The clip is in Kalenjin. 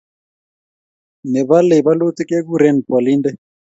nebolei bolutik kekuren bolinde